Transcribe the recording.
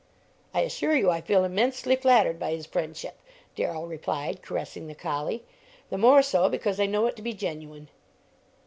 "I assure you I feel immensely flattered by his friendship," Darrell replied, caressing the collie; "the more so because I know it to be genuine."